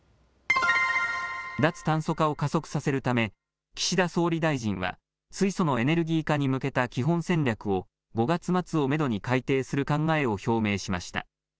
脱炭素化を加速させるため岸田総理大臣は水素のエネルギー化に向けた基本戦略を５月末をめどに改定する考えを表明しました。